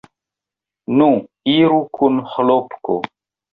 Nu, iru kun Ĥlopko!